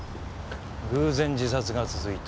偶然自殺が続いた。